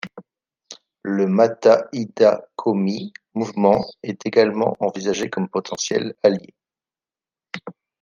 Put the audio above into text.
Le Muttahida Qaumi Movement est également envisagé comme potentiel allié.